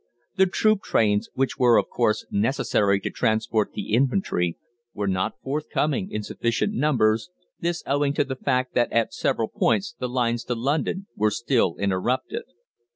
The troop trains, which were of course, necessary to transport the infantry, were not forthcoming in sufficient numbers, this owing to the fact that at several points the lines to London were still interrupted.